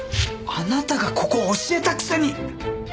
あなたがここを教えたくせに！